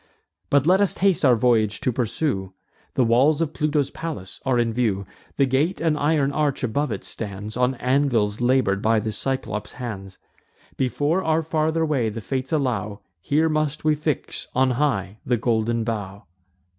But let us haste our voyage to pursue: The walls of Pluto's palace are in view; The gate, and iron arch above it, stands On anvils labour'd by the Cyclops' hands. Before our farther way the Fates allow, Here must we fix on high the golden bough."